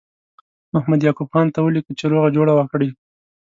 محمد یعقوب خان ته ولیکه چې روغه جوړه وکړي.